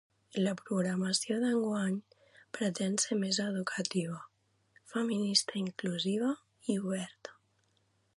La programació d'enguany pretén ser “més educativa, feminista, inclusiva i oberta”.